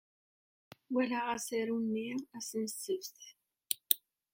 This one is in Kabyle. Walaɣ asaru-nni ass n ssebt.